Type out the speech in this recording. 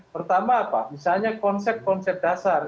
pertama apa misalnya konsep konsep dasar